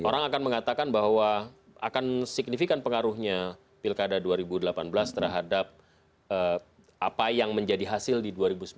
orang akan mengatakan bahwa akan signifikan pengaruhnya pilkada dua ribu delapan belas terhadap apa yang menjadi hasil di dua ribu sembilan belas